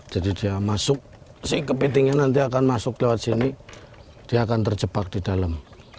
jadi dia masuk si kepitingnya nanti akan masuk lewat sini dia akan terjebak di dalam